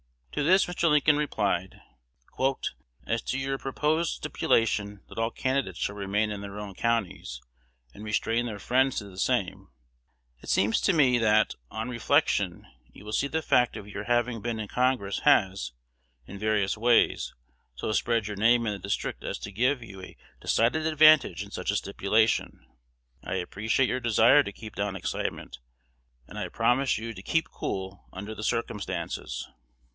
To this Mr. Lincoln replied, "As to your proposed stipulation that all the candidates shall remain in their own counties, and restrain their friends to the same, it seems to me, that, on reflection, you will see the fact of your having been in Congress has, in various ways, so spread your name in the district as to give you a decided advantage in such a stipulation. I appreciate your desire to keep down excitement, and I promise you to 'keep cool' under the circumstances."